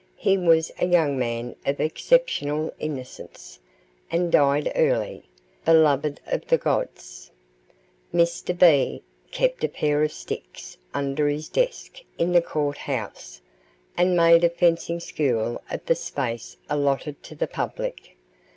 He was a young man of exceptional innocence, and died early, beloved of the gods. Mr. B. kept a pair of sticks under his desk in the court house, and made a fencing school of the space allotted to the public.